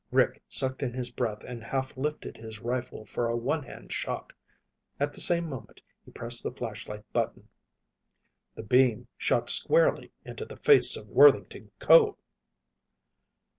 Rick sucked in his breath and half lifted his rifle for a one hand shot. At the same moment, he pressed the flashlight button. The beam shot squarely into the face of Worthington Ko!